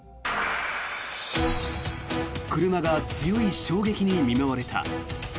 車が強い衝撃に見舞われた。